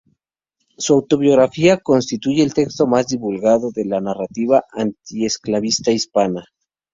Su "Autobiografía" constituye el texto más divulgado de la narrativa antiesclavista hispana.